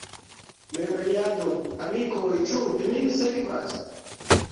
Miriado, amikoj, ĉu vi min sekvas?